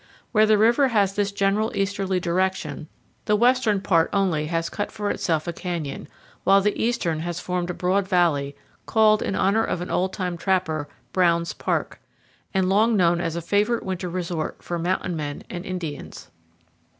Where the river has this general easterly direction the western part only has cut for itself a canyon, while the eastern has formed a broad valley, called, in honor of an old time trapper, Brown's Park, and long known as a favorite winter resort for mountain men and Indians.